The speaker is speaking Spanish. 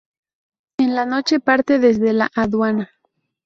En la noche parte desde la Aduana.